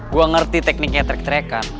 gue ngerti tekniknya track track an